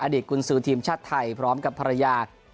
ตกุญสือทีมชาติไทยพร้อมกับภรรยา